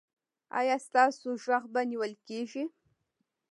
ایا ستاسو غږ به نیول کیږي؟